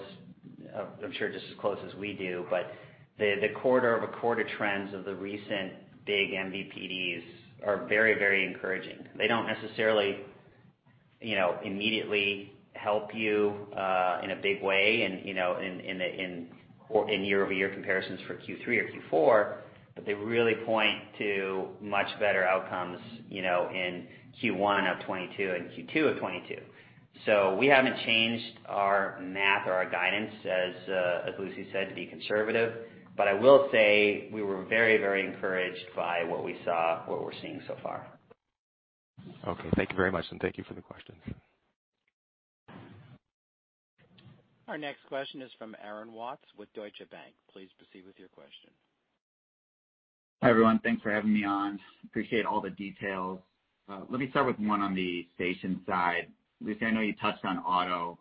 I'm sure just as close as we do, but the quarter-over-quarter trends of the recent big MVPDs are very encouraging. They don't necessarily immediately help you in a big way in year-over-year comparisons for Q3 or Q4, but they really point to much better outcomes in Q1 of 2022 and Q2 of 2022. We haven't changed our math or our guidance, as Lucy said, to be conservative. I will say we were very encouraged by what we saw, what we're seeing so far. Okay. Thank you very much, and thank you for the question. Our next question is from Aaron Watts with Deutsche Bank. Please proceed with your question. Hi, everyone. Thanks for having me on. Appreciate all the details. Let me start with one on the station side. Lucy, I know you touched on auto.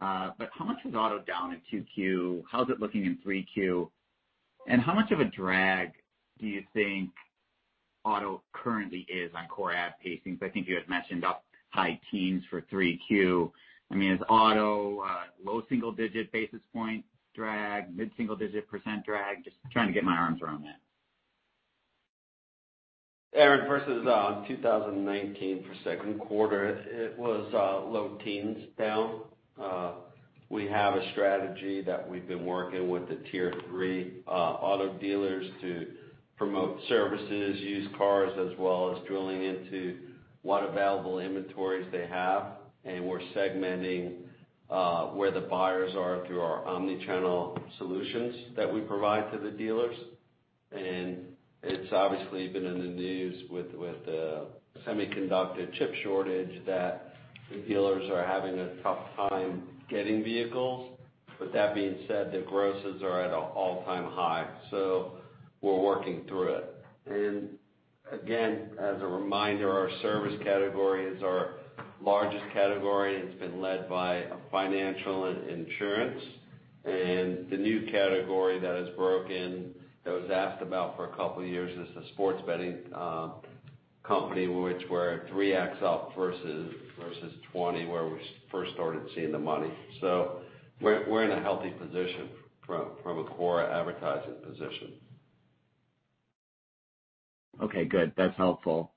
How much was auto down in 2Q? How's it looking in 3Q? How much of a drag do you think auto currently is on core ad pacings? I think you had mentioned up high teens for 3Q. Is auto low single-digit basis points drag, mid single-digit percent drag? Just trying to get my arms around that. Aaron, versus 2019 for second quarter, it was low teens down. We have a strategy that we've been working with the tier three auto dealers to promote services, used cars, as well as drilling into what available inventories they have. We're segmenting where the buyers are through our omni-channel solutions that we provide to the dealers. It's obviously been in the news with the semiconductor chip shortage that the dealers are having a tough time getting vehicles. That being said, the grosses are at an all-time high. We're working through it. Again, as a reminder, our service category is our largest category, and it's been led by financial and insurance. The new category that has broken, that was asked about for a couple of years, is the sports betting company, which we're at 3x up versus 20, where we first started seeing the money. We're in a healthy position from a core advertising position. Okay, good. That's helpful.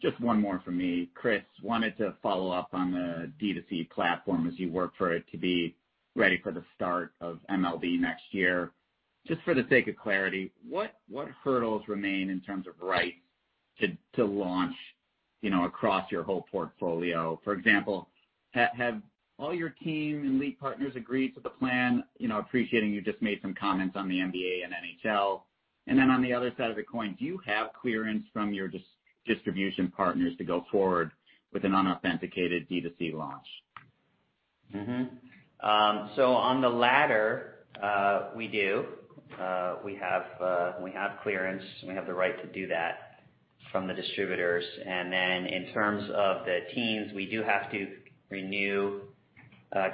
Just one more from me. Chris, wanted to follow up on the D2C platform as you work for it to be ready for the start of MLB next year. Just for the sake of clarity, what hurdles remain in terms of rights to launch across your whole portfolio? For example, have all your team and league partners agreed to the plan? Appreciating you just made some comments on the NBA and NHL. On the other side of the coin, do you have clearance from your distribution partners to go forward with an unauthenticated D2C launch? On the latter, we do. We have clearance, and we have the right to do that from the distributors. In terms of the teams, we do have to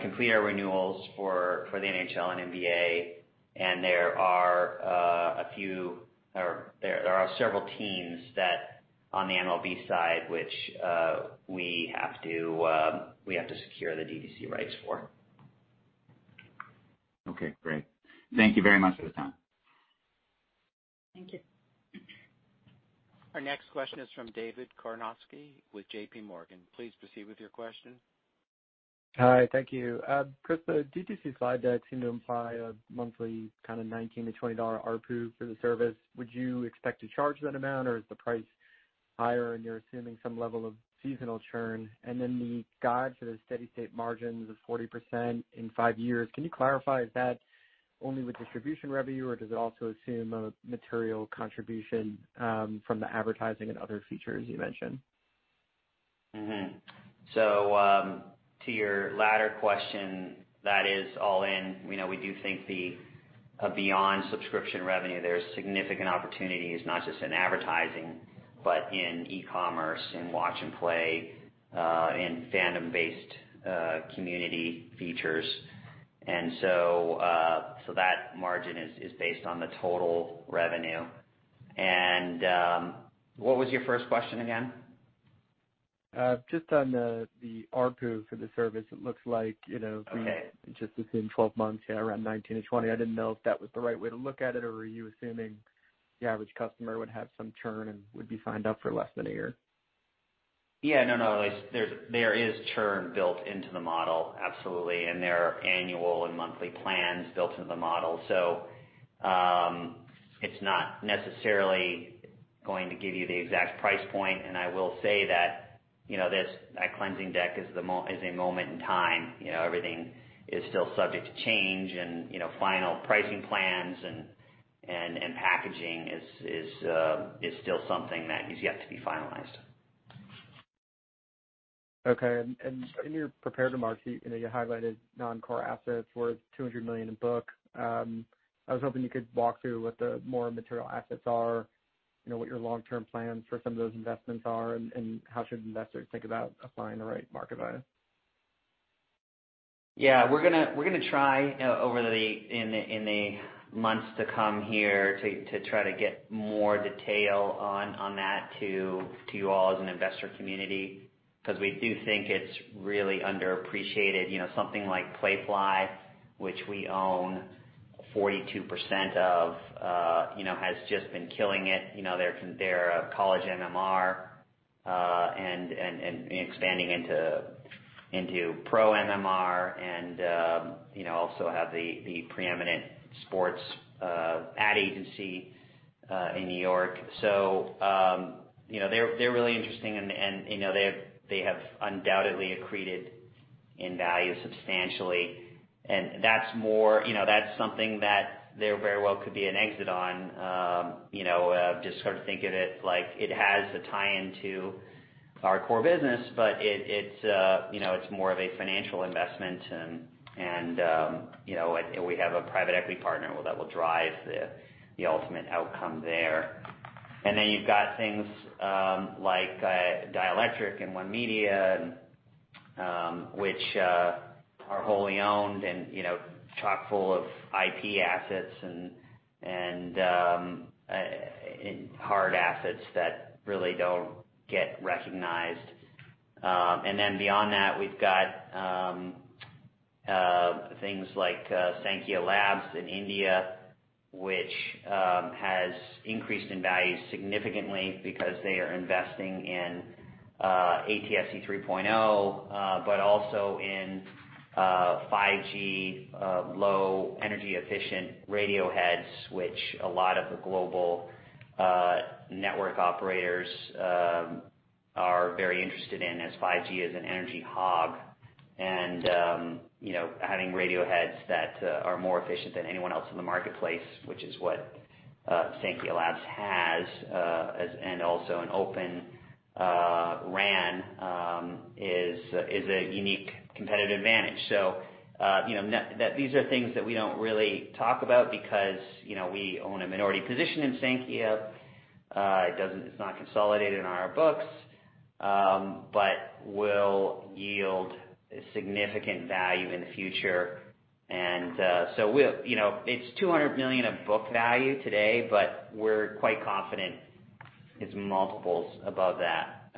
complete our renewals for the NHL and NBA. There are several teams that on the MLB side, which we have to secure the D2C rights for. Okay, great. Thank you very much for the time. Thank you. Our next question is from David Karnovsky with JPMorgan. Please proceed with your question. Hi, thank you. Chris, the D2C slide deck seemed to imply a monthly $19-$20 ARPU for the service. Would you expect to charge that amount, or is the price higher and you're assuming some level of seasonal churn? The guide for the steady state margins of 40% in five years, can you clarify, is that only with distribution revenue, or does it also assume a material contribution from the advertising and other features you mentioned? To your latter question, that is all in. We do think beyond subscription revenue, there's significant opportunities, not just in advertising, but in e-commerce, in Watch and Play in fandom-based community features. That margin is based on the total revenue. What was your first question again? Just on the ARPU for the service. Okay Just within 12 months, around 19 or 20, I didn't know if that was the right way to look at it, or were you assuming the average customer would have some churn and would be signed up for less than a year? Yeah. No, there is churn built into the model. Absolutely. There are annual and monthly plans built into the model. It's not necessarily going to give you the exact price point, and I will say that cleansing deck is a moment in time. Everything is still subject to change and, final pricing plans and packaging is still something that is yet to be finalized. Okay. In your prepared remarks, you highlighted non-core assets worth $200 million in book. I was hoping you could walk through what the more material assets are, what your long-term plans for some of those investments are, and how should investors think about applying the right market value? Yeah. We're going to try, in the months to come here, to try to get more detail on that to you all as an investor community, because we do think it's really underappreciated. Something like Playfly, which we own 42% of, has just been killing it. They're a college MMR, and expanding into pro MMR and also have the preeminent sports ad agency in New York. They're really interesting and they have undoubtedly accreted in value substantially. That's something that there very well could be an exit on. Just sort of think of it like it has a tie-in to our core business, but it's more of a financial investment and we have a private equity partner that will drive the ultimate outcome there. You've got things like Dielectric and ONE Media, which are wholly owned and chock-full of IP assets and hard assets that really don't get recognized. Beyond that, we've got things like Saankhya Labs in India, which has increased in value significantly because they are investing in ATSC 3.0, but also in 5G low energy efficient radioheads, which a lot of the global network operators are very interested in as 5G is an energy hog. Having radioheads that are more efficient than anyone else in the marketplace, which is what Saankhya Labs has, and also an Open RAN is a unique competitive advantage. These are things that we don't really talk about because we own a minority position in Saankhya. It's not consolidated on our books, but will yield significant value in the future. It's $200 million of book value today, but we're quite confident it's multiples above that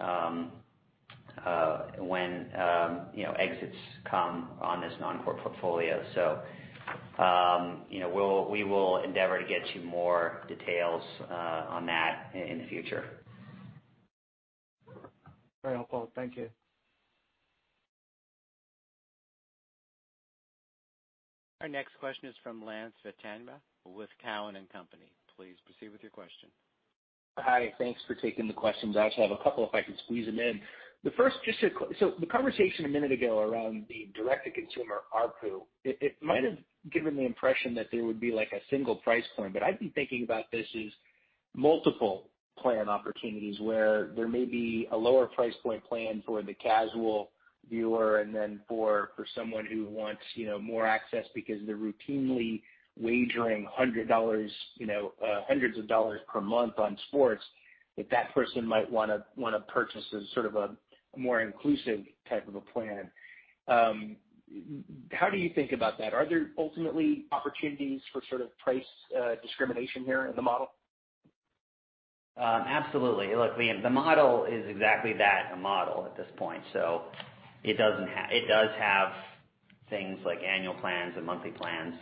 when exits come on this non-core portfolio. We will endeavor to get you more details on that in the future. Very helpful. Thank you. Our next question is from Lance Vitanza with Cowen and Company. Please proceed with your question. Hi. Thanks for taking the questions. I actually have a couple if I could squeeze them in. The conversation a minute ago around the direct-to-consumer ARPU, it might have given the impression that there would be like a single price point, but I've been thinking about this as multiple plan opportunities where there may be a lower price point plan for the casual viewer and then for someone who wants more access because they're routinely wagering hundreds of dollars per month on sports, that person might want to purchase a sort of a more inclusive type of a plan. How do you think about that? Are there ultimately opportunities for sort of price discrimination here in the model? Absolutely. Look, the model is exactly that, a model at this point. It does have things like annual plans and monthly plans.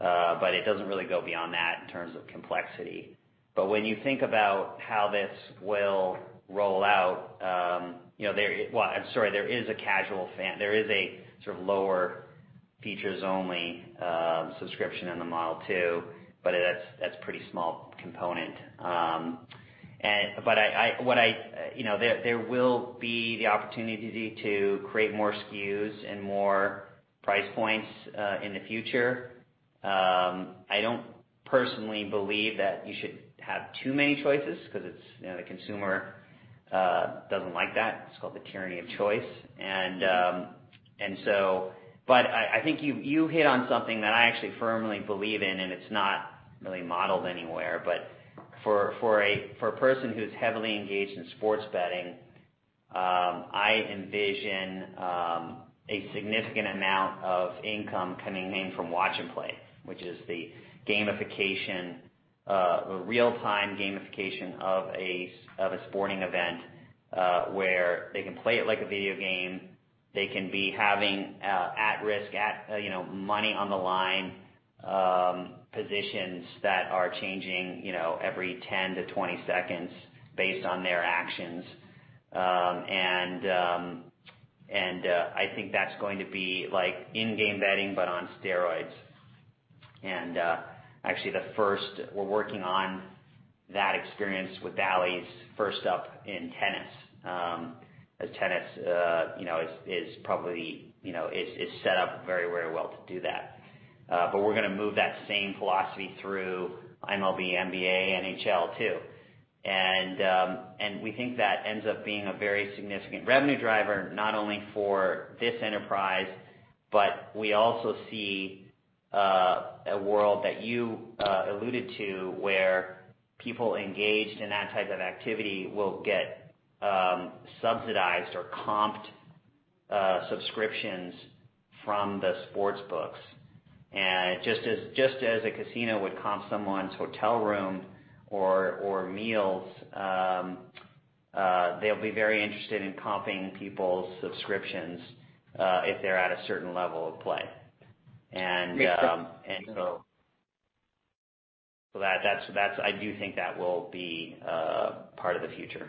It doesn't really go beyond that in terms of complexity. When you think about how this will roll out, there is a sort of lower features-only subscription in the model too, but that's a pretty small component. There will be the opportunity to create more SKUs and more price points in the future. I don't personally believe that you should have too many choices because the consumer doesn't like that. It's called the tyranny of choice. I think you hit on something that I actually firmly believe in, and it's not really modeled anywhere, for a person who's heavily engaged in sports betting, I envision a significant amount of income coming in from Watch and Play, which is the real-time gamification of a sporting event, where they can play it like a video game. They can be having at-risk, money-on-the-line positions that are changing every 10-20 seconds based on their actions. I think that's going to be like in-game betting, on steroids. Actually, we're working on that experience with Bally's first up in tennis, as tennis is set up very well to do that. We're going to move that same philosophy through MLB, NBA, NHL too. We think that ends up being a very significant revenue driver, not only for this enterprise, but we also see a world that you alluded to where people engaged in that type of activity will get subsidized or comped subscriptions from the sports books. Just as a casino would comp someone's hotel room or meals, they'll be very interested in comping people's subscriptions if they're at a certain level of play. Makes sense. I do think that will be part of the future.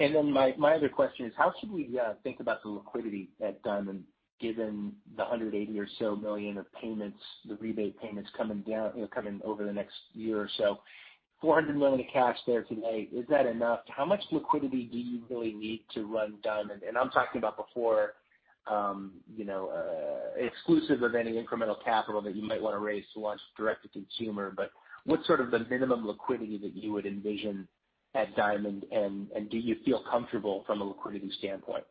My other question is how should we think about the liquidity at Diamond, given the $180 million or so of the rebate payments coming over the next year or so? $400 million of cash there today, is that enough? How much liquidity do you really need to run Diamond? I'm talking about before, exclusive of any incremental capital that you might want to raise to launch direct to consumer, but what's sort of the minimum liquidity that you would envision at Diamond, and do you feel comfortable from a liquidity standpoint?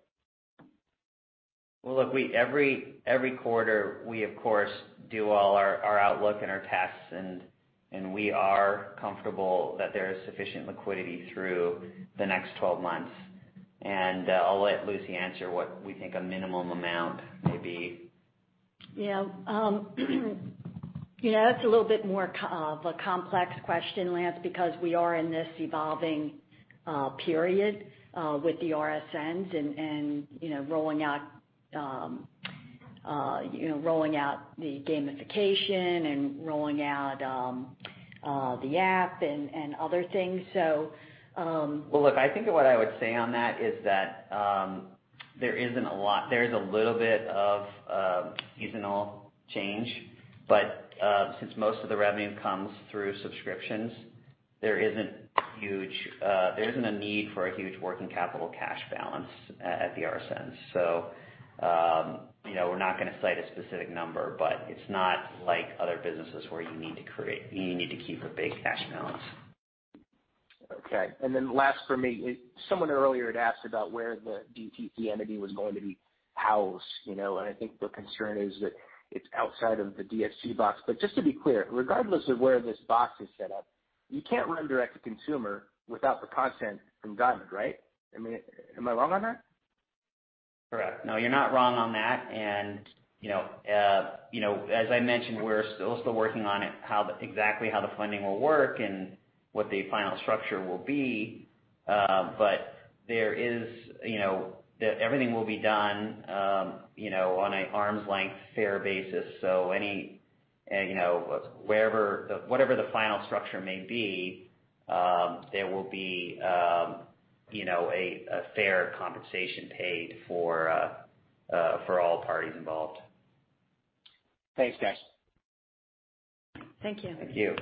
Well, look, every quarter, we of course do all our outlook and our tests, and we are comfortable that there is sufficient liquidity through the next 12 months. I'll let Lucy answer what we think a minimum amount may be. That's a little bit more of a complex question, Lance, because we are in this evolving period with the RSNs and rolling out the gamification and rolling out the app and other things. Well, look, I think what I would say on that is that there is a little bit of seasonal change, but since most of the revenue comes through subscriptions, there isn't a need for a huge working capital cash balance at the RSNs. We're not going to cite a specific number, but it's not like other businesses where you need to keep a big cash balance. Okay. Last for me, someone earlier had asked about where the DTC entity was going to be housed. I think the concern is that it's outside of the DSG box, just to be clear, regardless of where this box is set up, you can't run direct to consumer without the content from Diamond, right? Am I wrong on that? Correct. No, you're not wrong on that and as I mentioned, we're still working on exactly how the funding will work and what the final structure will be. Everything will be done on an arm's length fair basis. Whatever the final structure may be, there will be a fair compensation paid for all parties involved. Thanks, guys. Thank you. Thank you.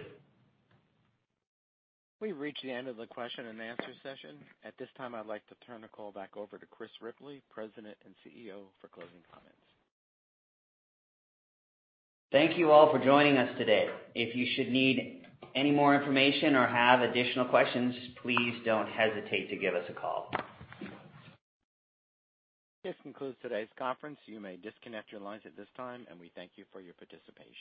We've reached the end of the question and answer session. At this time, I'd like to turn the call back over to Chris Ripley, President and CEO, for closing comments. Thank you all for joining us today. If you should need any more information or have additional questions, please don't hesitate to give us a call. This concludes today's conference. You may disconnect your lines at this time, and we thank you for your participation.